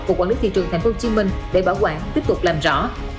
của quản lý thị trường tp hcm để bảo quản tiếp tục làm rõ